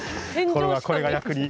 これが役に立つ。